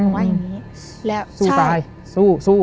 สู้ตายสู้สู้